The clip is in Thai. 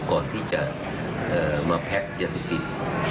ก่อนที่จะมาแพ็คยาเสพติด